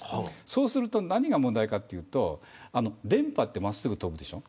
そうすると何が問題かと言うと電波は真っすぐ飛ぶでしょ。